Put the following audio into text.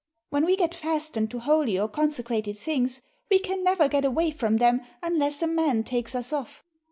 When we get fastened to holy or consecrated things we can never get away from them unless a man takes us off.